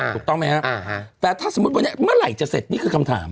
ถูกต้องไหมครับแต่ถ้าสมมุติวันนี้เมื่อไหร่จะเสร็จนี่คือคำถาม